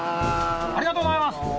ありがとうございます。